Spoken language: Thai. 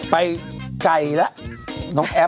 ไปไกลแล้วน้องแอฟ